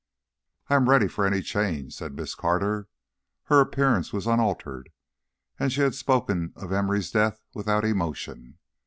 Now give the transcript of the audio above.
"I am ready for any change," said Miss Carter. Her appearance was unaltered, and she had spoken of Emory's death without emotion.